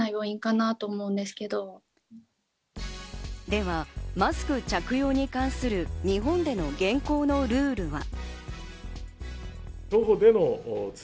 ではマスク着用に関する、日本での現行のルールは。